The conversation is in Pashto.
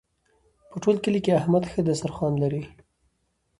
په ټول کلي کې احمد ښه دسترخوان لري.